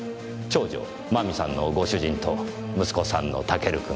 長女真美さんのご主人と息子さんのタケル君。